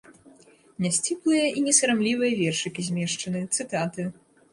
Нясціплыя і несарамлівыя вершыкі змешчаны, цытаты.